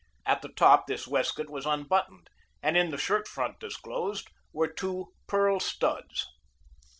At the top this waistcoat was unbuttoned and in the shirt front disclosed were two pearl studs.